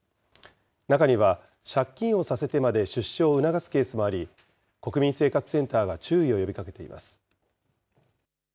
中には借金をさせてまで出資を促すケースもあり、国民生活センターが注意を呼びかけています。